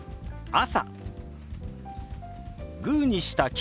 「朝」。